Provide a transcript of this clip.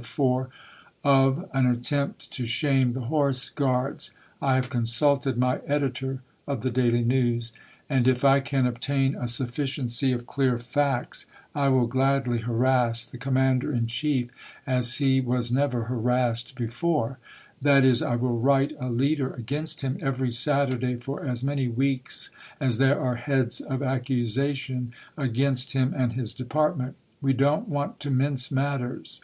4), "of an attempt to shame the Horse Guards. I have consulted my editor [of the Daily News], and if I can obtain a sufficiency of clear facts, I will gladly harass the Commander in Chief as he was never harassed before that is, I will write a leader against him every Saturday for as many weeks as there are heads of accusation against him and his Department. We don't want to mince matters."